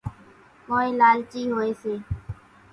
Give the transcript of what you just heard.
ڪونئين لالچي هوئيَ سي۔